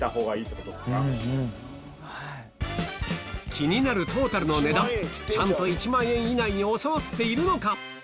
気になるトータルの値段ちゃんと１万円以内に収まっているのか？